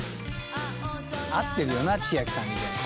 合ってるよな千秋さんみたいな。